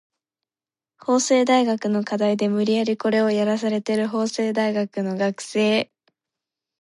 法政大学の課題で無理やりコレをやらされる法政大学の学生